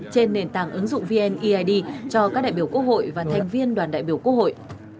trên nền tảng ứng dụng vneid cho các đại biểu quốc hội và thành viên đoàn đại biểu quốc hội